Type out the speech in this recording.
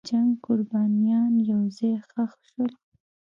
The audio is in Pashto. د جنګ قربانیان یو ځای ښخ شول.